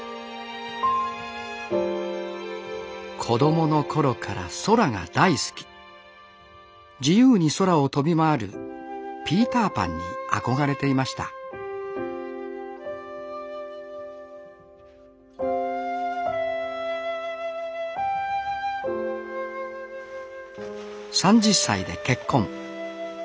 子供の頃から空が大好き自由に空を飛び回るピーターパンに憧れていました３０歳で結婚。